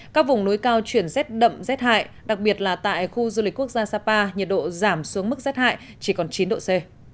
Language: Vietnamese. các vùng núi cao chuyển rét đậm rét hại đặc biệt là tại khu du lịch quốc gia sapa nhiệt độ giảm xuống mức rét hại chỉ còn chín độ c